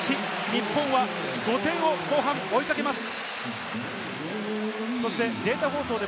日本は５点を後半追いかけます。